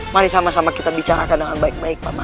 mari sama sama kita bicarakan dengan baik baik pak mai